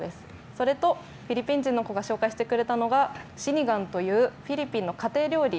それと、フィリピン人の子が紹介してくれたのがシニガンというフィリピンの家庭料理。